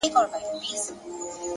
پوهه د فکر ژوروالی زیاتوي،